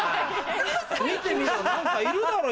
見てみろ何かいるだろ？